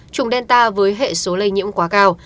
chủng delta với hệ số lây nhiễm quá cao